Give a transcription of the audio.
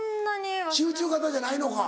集中型じゃないのか。